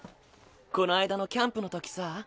この間のキャンプのときさ。